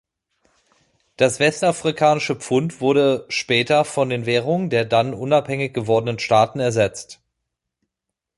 Das Westafrikanische Pfund wurde später von den Währungen der dann unabhängig gewordenen Staaten ersetzt.